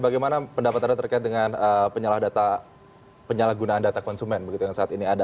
bagaimana pendapat anda terkait dengan penyalahgunaan data konsumen begitu yang saat ini ada